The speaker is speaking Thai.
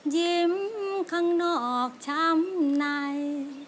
ยิ้มข้างนอกช้ำใน